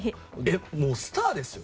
もうスターですよ。